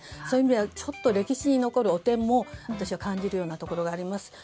そういう意味では歴史に残る汚点も私は感じるようなところがあります。